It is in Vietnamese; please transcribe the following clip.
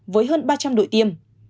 với hơn ba trăm linh đội tiêm